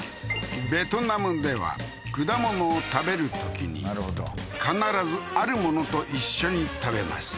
ベトナムでは果物を食べるときに必ずあるものと一緒に食べます